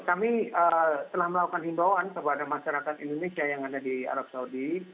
kami telah melakukan himbauan kepada masyarakat indonesia yang ada di arab saudi